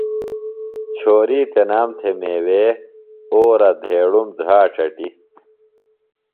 چھوری تنام تھےۡ میوے، اورہ ، دھیڑُم ، دھراڇ اٹی